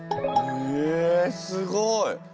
へえすごい！